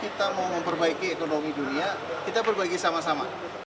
kita mau memperbaiki ekonomi dunia kita perbaiki sama sama